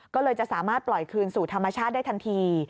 ก็เลยจะสามารถปล่อยคืนสู่ธรรมชาติได้ทันที